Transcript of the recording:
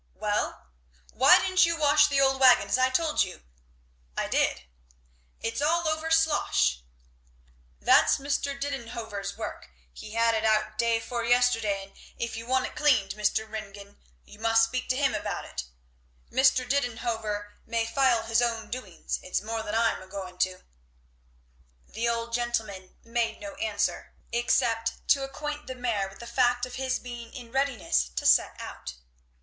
"Well." "Why didn't you wash the wagon as I told you?" "I did." "It's all over slosh." "That's Mr. Didenhover's work he had it out day 'fore yesterday; and if you want it cleaned, Mr. Ringgan, you must speak to him about it. Mr. Didenhover may file his own doings; it's more than I'm a going to." The old gentleman made no answer, except to acquaint the mare with the fact of his being in readiness to set out.